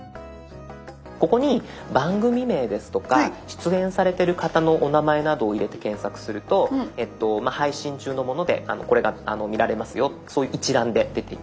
ここに番組名ですとか出演されてる方のお名前などを入れて検索すると配信中のものでこれが見られますよそういう一覧で出てきます。